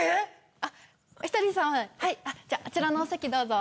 あっお一人様はいじゃあちらのお席どうぞ。